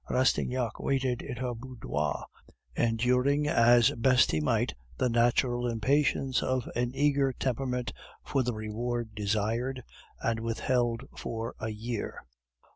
Rastignac waited in her boudoir, enduring as best he might the natural impatience of an eager temperament for the reward desired and withheld for a year.